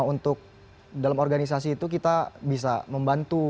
untuk dalam organisasi itu kita bisa membantu